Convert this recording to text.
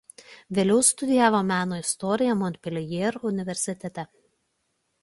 Vėliau studijavo meno istoriją Montpellier universitete.